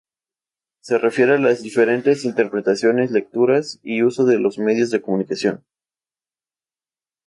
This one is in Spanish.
Se refiere a las diferentes interpretaciones, lecturas y usos de los medios de comunicación.